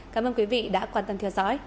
cảm ơn quý vị đã quan tâm theo dõi